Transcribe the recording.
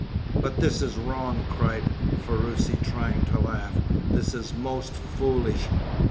"But this is wrong," cried Ferruci, trying to laugh. "This is most foolish.